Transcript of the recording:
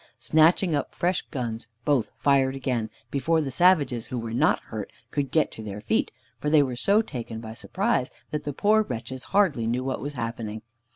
Snatching up fresh guns, both fired again, before the savages who were not hurt could get on their feet, for they were so taken by surprise, that the poor wretches hardly knew what was happening.